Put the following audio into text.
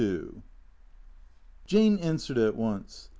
XXII JANE answered at once.